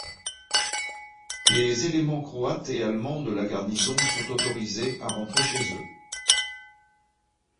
Les éléments croates et allemands de la garnison sont autorisés à rentrer chez eux.